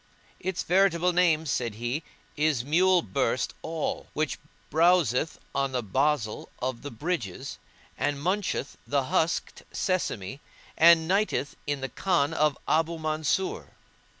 "Its veritable name," said he, "is mule Burst all, which browseth on the basil of the bridges, and muncheth the husked sesame, and nighteth in the Khan of Abu Mansur."